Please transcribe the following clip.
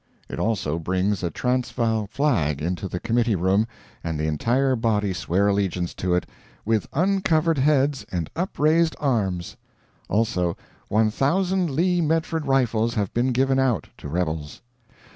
It also brings a Transvaal flag into the committee room, and the entire body swear allegiance to it "with uncovered heads and upraised arms." Also "one thousand Lee Metford rifles have been given out" to rebels.